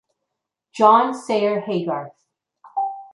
John Sayer Haygarth.